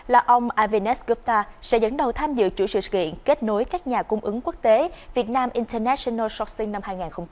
là ông avinash gupta sẽ dẫn đầu tham dự chủ sự kiện kết nối các nhà cung ứng quốc tế việt nam international soxin năm hai nghìn hai mươi ba